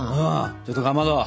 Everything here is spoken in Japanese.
ちょっとかまど！